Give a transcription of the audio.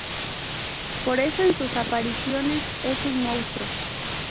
Por eso en sus apariciones es un monstruo.